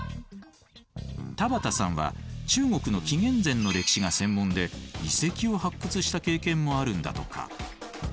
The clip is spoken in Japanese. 田畑さんは中国の紀元前の歴史が専門で遺跡を発掘した経験もあるんだとか。